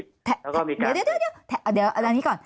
เดี๋ยวเดี๋ยวอันนี้ก่อน